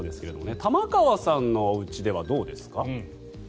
玉川さんのおうちではどうですか？